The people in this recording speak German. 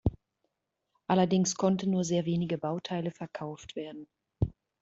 Allerdings konnten nur sehr wenige Bauteile verkauft werden.